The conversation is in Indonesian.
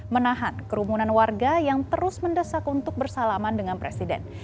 menahan kerumunan warga yang terus mendesak untuk bersalaman dengan presiden